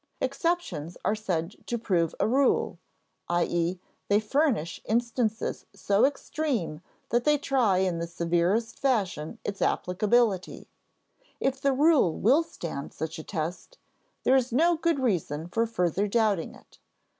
Exceptions are said to prove a rule; i.e. they furnish instances so extreme that they try in the severest fashion its applicability; if the rule will stand such a test, there is no good reason for further doubting it.